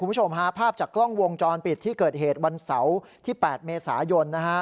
คุณผู้ชมฮะภาพจากกล้องวงจรปิดที่เกิดเหตุวันเสาร์ที่๘เมษายนนะฮะ